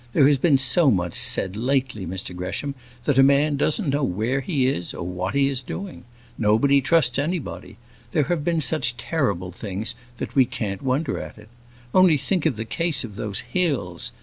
There has been so much said lately, Mr Gresham, that a man doesn't know where he is, or what he is doing. Nobody trusts anybody. There have been such terrible things that we can't wonder at it. Only think of the case of those Hills!